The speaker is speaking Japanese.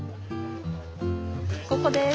ここです。